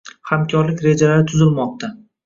Hamkorlik rejalari tuzilmoqda